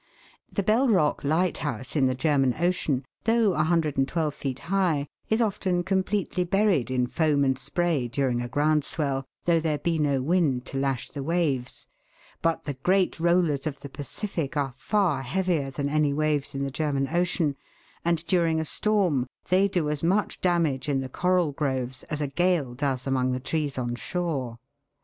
The Bell Rock lighthouse, in the German Ocean, though 112 feet high, is often completely buried in foam and spray during a ground swell, though there be no wind to lash the waves. But the great rollers of the Pacific are far heavier than any waves in the German Ocean, and during a storm they do as much damage in the coral groves as a gale does among the trees on shore.